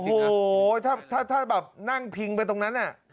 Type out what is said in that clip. โอโหนั่งพิงไปตรงนั้น